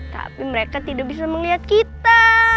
tapi mereka tidak bisa melihat kita